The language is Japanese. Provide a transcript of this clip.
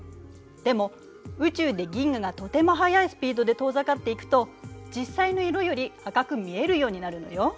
でも宇宙で銀河がとても速いスピードで遠ざかっていくと実際の色より赤く見えるようになるのよ。